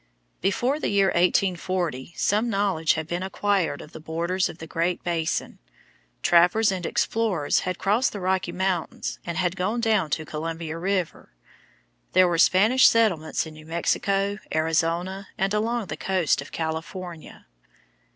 Before the year 1840 some knowledge had been acquired of the borders of the Great Basin. Trappers and explorers had crossed the Rocky Mountains and had gone down the Columbia River. There were Spanish settlements in New Mexico, Arizona, and along the coast of California.